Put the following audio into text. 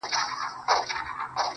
قاضي صاحبه ملامت نه یم، بچي وږي وه.